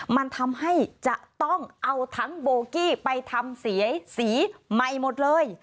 มันทำให้จะต้องเอาทั้งโบกี้ไปทำเสียสีใหม่หมดเลย